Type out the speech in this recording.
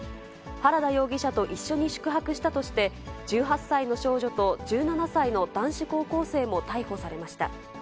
原田容疑者と一緒に宿泊したとして、１８歳の少女と１７歳の男子高校生も逮捕されました。